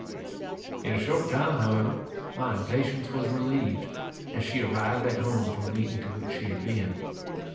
In a short time, however, my impatience was relieved, as she arrived at home from a meeting to which she had been.